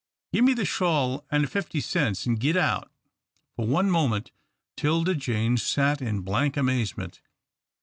Gimme the shawl an' the fifty cents, an' git out." For one moment 'Tilda Jane sat in blank amazement.